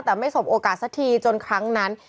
แต่ไม่สบโอกาสสักทีจนครั้งนั้น